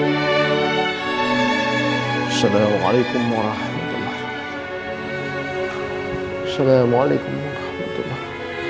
assalamualaikum warahmatullahi wabarakatuh